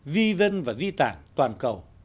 sáu di dân và di tản toàn cầu